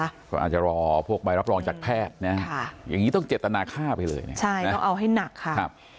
ก็อาจจะรอพวกใบรับรองจากแพทย์นะอย่างนี้ต้องเจตนาค่าไปเลยนะใช่ต้องเอาให้หนักค่ะครับ